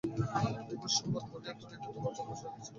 বিপুল সম্পদ গড়িয়া তুলিতে তোমার কত বছর লাগিয়াছে বল দেখি।